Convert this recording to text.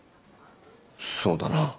そうだな。